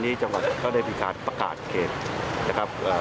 ที่จากหลายเหตุว่ามีการไปกัดคนนะครับ